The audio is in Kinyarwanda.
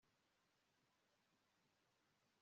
abantu ntibakunze koga hano. amazi ntabwo afite isuku cyane